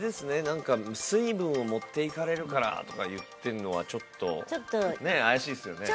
何か「水分を持っていかれるから」とか言ってるのはちょっとちょっとねえ怪しいですよね